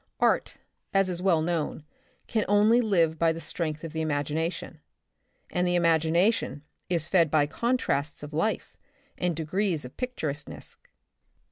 Art, as is well known, can only live by the strength of the imagination — and the imagination is fed by contrasts of life and degrees of picturesqueness.